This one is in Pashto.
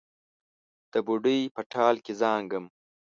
د بوډۍ په ټال کې زانګم